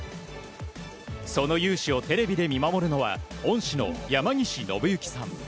その雄姿をテレビで見守るのは恩師の山岸信行さん。